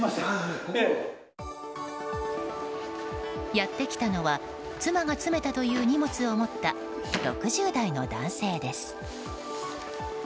やってきたのは妻が詰めたという荷物を持った６０代の男性です。